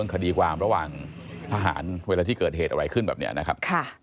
คดีความระหว่างทหารเวลาที่เกิดเหตุอะไรขึ้นแบบนี้นะครับ